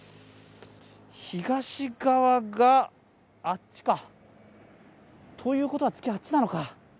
東側があっちか。ということは、月はあっちなのか。